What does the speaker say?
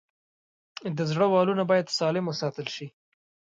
د زړه والونه باید سالم وساتل شي.